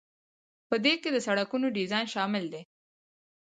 په دې کې د سړکونو ډیزاین شامل دی.